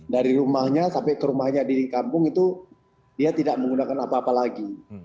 dari rumahnya sampai ke rumahnya di kampung itu dia tidak menggunakan apa apa lagi